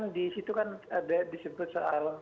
disitu kan disebut soal